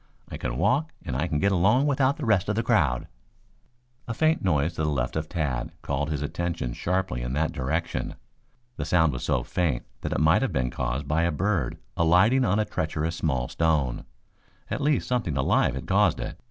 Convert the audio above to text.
I can walk and I can get along without the rest of that crowd." A faint noise to the left of Tad called his attention sharply in that direction. The sound was so faint that it might have been caused by a bird alighting on a treacherous small stone. At least something alive had caused it.